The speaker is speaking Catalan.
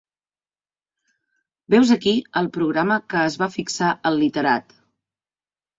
Veu 's aquí el programa que es va fixar el literat.